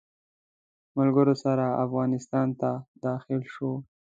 ملګرو سره افغانستان ته داخل شو.